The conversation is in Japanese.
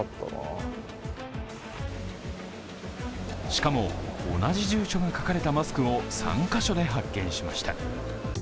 しかも、同じ住所が書かれたマスクを３カ所で発見しました。